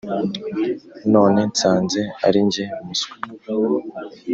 none nsanze ari nge muswa.